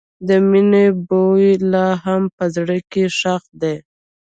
د مینې بوی لا هم په زړګي کې ښخ دی.